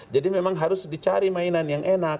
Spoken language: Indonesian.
jadi memang harus dicari mainan yang enak